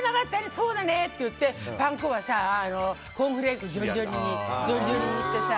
そうだね！って言ってパン粉はさ、コーンフレークをじょりじょりにしてさ。